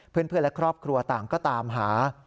เพื่อนและครอบครัวต่างก็ตามหา